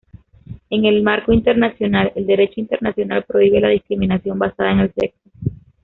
En el marco internacional, el derecho internacional prohíbe la discriminación basada en el sexo.